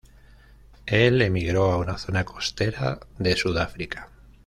El emigró a una zona costera de Sudáfrica.